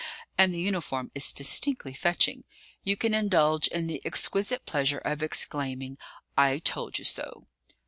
and the uniform is distinctly fetching you can indulge in the exquisite pleasure of exclaiming, 'I told you so!'